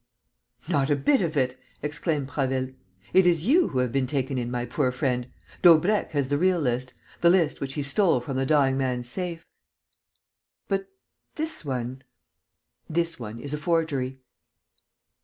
"Not a bit of it!" exclaimed Prasville. "It is you who have been taken in, my poor friend. Daubrecq has the real list, the list which he stole from the dying man's safe." "But this one...." "This one is a forgery."